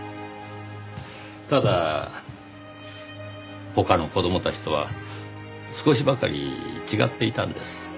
ただ他の子どもたちとは少しばかり違っていたんです。